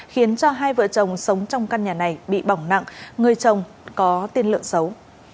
khiến cho hai vợ chồng sống trong căn nhà này bị bỏng nặng người chồng có tiên lượng xấu